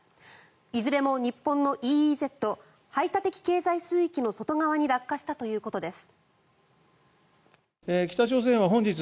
いずれも日本のＥＥＺ・排他的経済水域の外側に落下したということです。